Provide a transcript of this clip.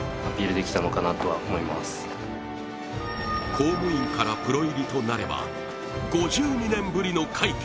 公務員からプロ入りとなれば５２年ぶりの快挙。